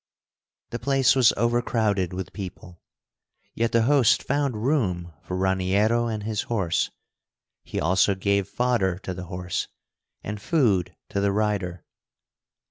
The place was overcrowded with people, yet the host found room for Raniero and his horse. He also gave fodder to the horse and food to the rider.